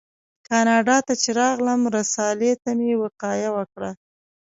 کاناډا ته چې راغلم رسالې ته مې وقایه ورکړه.